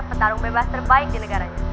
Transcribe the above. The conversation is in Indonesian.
petarung bebas terbaik di negaranya